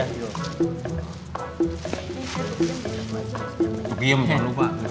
tukiem jangan lupa